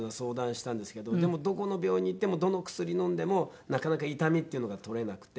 でもどこの病院に行ってもどの薬飲んでもなかなか痛みっていうのが取れなくて。